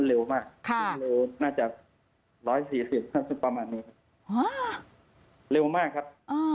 เร็วมากครับ